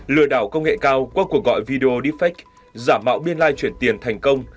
lừa đảo công nghệ cao qua cuộc gọi video defect giả mạo biên lai chuyển tiền thành công